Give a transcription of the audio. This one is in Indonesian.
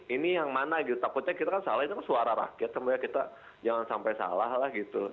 ini yang mana gitu takutnya kita kan salah itu kan suara rakyat semuanya kita jangan sampai salah lah gitu